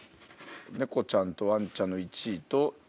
猫ちゃんとワンちゃんの１位と。